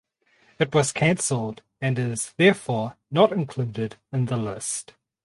It was canceled and is therefore not included in the list.